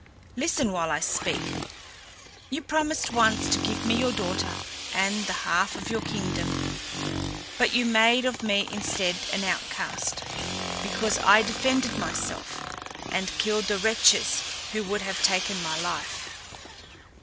Listen while I speak. You promised once to give me your daughter and the half of your kingdom, but you made of me instead an outcast because I defended myself and killed the wretches who would have taken my life.